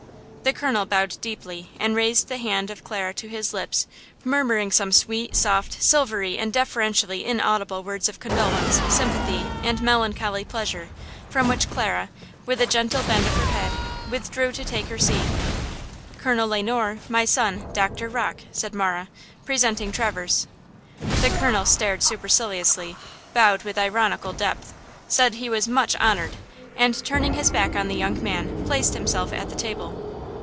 The colonel bowed deeply and raised the hand of Clara to his lips, murmuring some sweet, soft, silvery and deferentially inaudible words of condolence, sympathy and melancholy pleasure, from which Clara, with a gentle bend of her head, withdrew to take her seat. "Colonel Le Noir, my son, Doctor Rocke," said Marah, presenting Traverse. The colonel stared superciliously, bowed with ironical depth, said he was "much honored," and, turning his back on the young man, placed himself at the table.